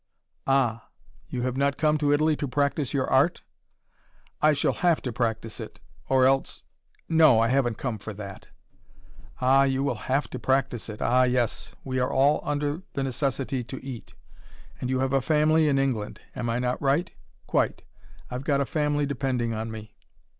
"Ah! You have not come to Italy to practice your art?" "I shall HAVE to practice it: or else no, I haven't come for that." "Ah, you will HAVE to practice it. Ah, yes! We are all under the necessity to eat. And you have a family in England? Am I not right?" "Quite. I've got a family depending on me."